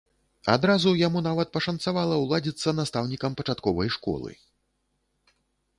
Адразу яму нават пашанцавала ўладзіцца настаўнікам пачатковай школы.